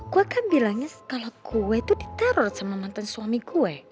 gue kan bilangnya kalau gue itu diteror sama mantan suami gue